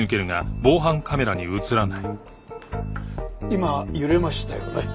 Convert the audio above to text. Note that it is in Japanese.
今揺れましたよね？